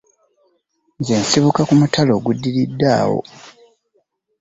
Nze nsibuka ku mutala ogutuddirira awo.